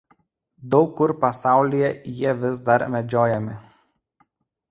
Daug kur pasaulyje jie vis dar medžiojami.